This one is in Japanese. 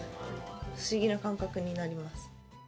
不思議な感覚になります。